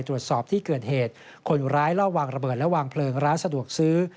ตรวจสอบที่เกิดเหตุคนร้ายลอบวางระเบิดและวางเพลิงร้านสะดวกซื้อ